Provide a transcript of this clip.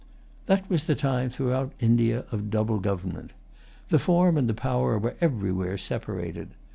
That was the time, throughout India, of double government. The form and the power were everywhere separated.